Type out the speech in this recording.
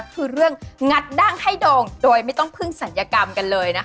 คือเรื่องงัดดั้งให้โด่งโดยไม่ต้องพึ่งศัลยกรรมกันเลยนะคะ